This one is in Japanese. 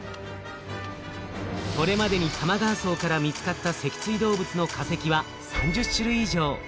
これまでに玉川層から見つかった脊椎動物の化石は３０種類以上。